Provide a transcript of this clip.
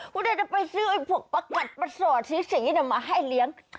คุณอาจจะไปซื้อไอ้พวกประกัดประสอดสีมาให้เลี้ยง